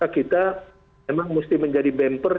kita memang mesti menjadi bemper